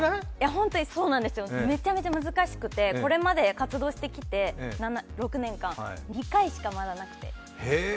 ホントにそうなんですよ、めちゃめちゃ難しくて、これまで活動してきて、６年間、２回しかまだなくて。